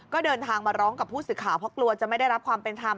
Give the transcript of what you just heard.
ก็เดินทางมาร้องกับผู้สื่อข่าวเพราะกลัวจะไม่ได้รับความเป็นธรรม